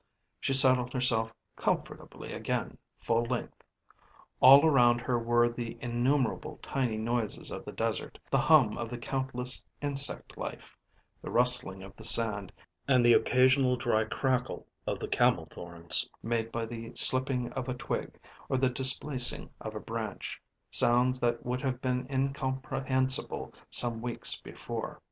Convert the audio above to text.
She settled herself comfortably again full length. All around her were the innumerable tiny noises of the desert, the hum of countless insect life, the rustling of the sand and the occasional dry crackle of the camel thorns made by the slipping of a twig or the displacing of a branch, sounds that would have been incomprehensible some weeks before.